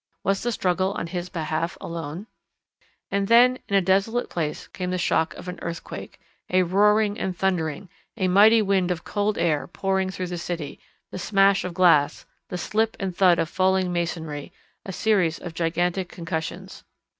Was the struggle on his behalf alone? And then in a desolate place came the shock of an earthquake a roaring and thundering a mighty wind of cold air pouring through the city, the smash of glass, the slip and thud of falling masonry a series of gigantic concussions.